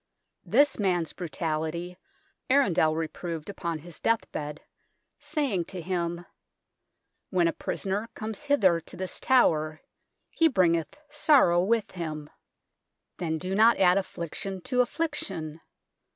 This man's brutality Arundel reproved upon his death bed, saying to him :" When a prisoner comes hither to this Tower, he bringeth sorrow with him ; then THE BEAUCHAMP TOWER HI do not add affliction to affliction.